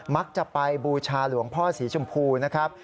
มักจะไปบูชาหลวงพ่อสีชมพูนะครับ